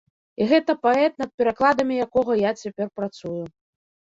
І гэта паэт, над перакладамі якога я цяпер працую.